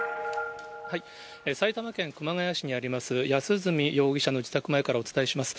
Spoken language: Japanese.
埼玉県熊谷市にあります、安栖容疑者の自宅前からお伝えします。